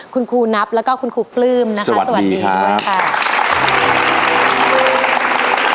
คุณครูนับแล้วก็คุณครูกลืมนะคะสวัสดีครับสวัสดีครับสวัสดีครับ